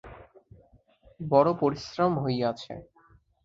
বড় পরিশ্রম হইয়াছে।